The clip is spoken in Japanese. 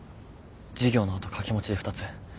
授業の後掛け持ちで２つ。